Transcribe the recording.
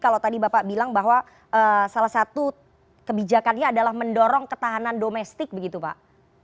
kalau tadi bapak bilang bahwa salah satu kebijakannya adalah mendorong ketahanan domestik begitu pak